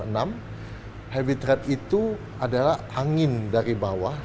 heavy trade itu adalah angin dari bawah